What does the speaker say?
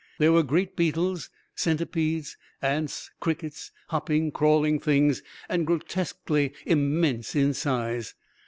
There were great beetles, centipedes, ants, crickets, hopping, crawling things, and grotesquely immense in size.